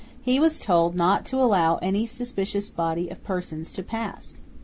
He was told not to allow any suspicious body of persons to pass.